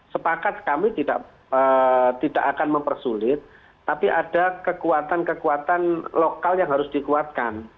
sepakat kami tidak akan mempersulit tapi ada kekuatan kekuatan lokal yang harus dikuatkan